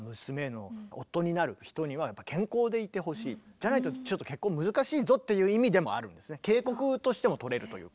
じゃないとちょっと結婚難しいぞっていう意味でもあるんですね。警告としても取れるというか。